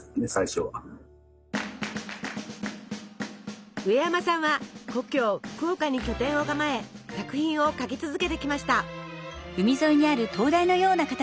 子供のうえやまさんは故郷福岡に拠点を構え作品を描き続けてきました。